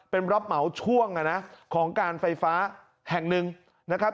เป็นรับเหมาช่วงของการไฟฟ้าแห่งหนึ่งนะครับ